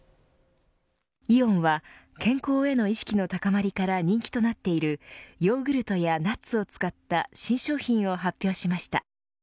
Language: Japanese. イオンは、健康への意識の高まりから人気となっているヨーグルトやナッツを使った新商品を発表しました。